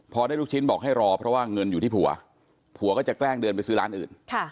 พอได้ลูกชิ้นบอกให้รอเพราะว่าเงินอยู่ที่ผัวผัวก็จะแกล้งเดินไปซื้อร้านอื่น